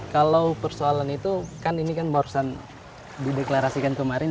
kalau persoalan itu kan ini kan barusan dideklarasikan kemarin